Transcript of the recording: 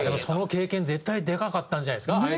その経験絶対でかかったんじゃないですか？